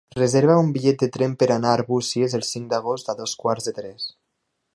Reserva'm un bitllet de tren per anar a Arbúcies el cinc d'agost a dos quarts de tres.